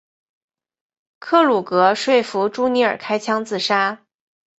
克鲁格说服朱尼尔开枪自杀。